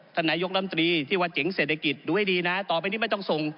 ท่านนายกรรมตรีที่ว่าเจ๋งเศรษฐกิจดูให้ดีนะต่อไปนี้ไม่ต้องส่ง